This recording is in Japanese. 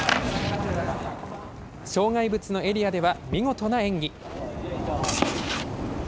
障害物のエリアでは見事な演技。